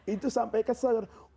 itu sampai kesel